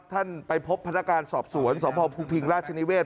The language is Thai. ท่านไปพบพนักการณ์สอบสวนสมภาพภูมิพิงราชนิเวศ